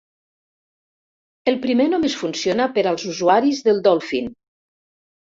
El primer només funciona per als usuaris de Dolphin.